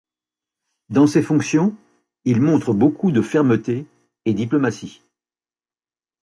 Dans ses fonctions, il montre beaucoup de fermeté et diplomatie.